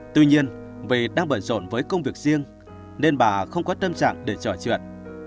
tuy nhiên vì đang bận rộn với công việc riêng nên bà không có tâm trạng để trò chuyện